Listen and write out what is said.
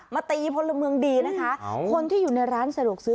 ตีพลเมืองดีนะคะคนที่อยู่ในร้านสะดวกซื้อ